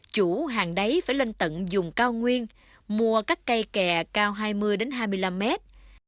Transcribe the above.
chủ hàng đáy phải lên tận dùng cao nguyên mua các cây kè cao hai mươi hai mươi năm mét